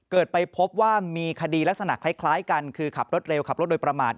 ไปพบว่ามีคดีลักษณะคล้ายกันคือขับรถเร็วขับรถโดยประมาท